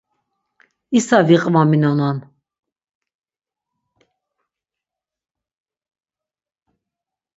İsa viqvaminonan.